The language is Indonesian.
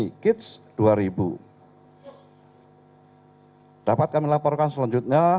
untuk perhatiin sabtu tanggal dua puluh enam november dua ribu dua puluh dua bnpb kembali memberikan bantuan logistik berikutnya